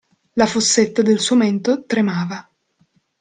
La fossetta del suo mento tremava.